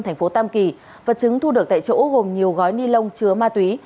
thành phố tam kỳ vật chứng thu được tại chỗ gồm nhiều gói ni lông chứa ma túy